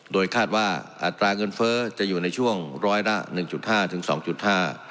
โดยคาดว่าอัตราเงินเฟ้อจะอยู่ในช่วงร้อยละ๑๕๒๕